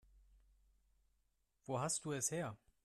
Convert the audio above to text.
Wo hast du es her?